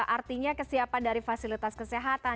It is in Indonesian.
artinya kesiapan dari fasilitas kesehatan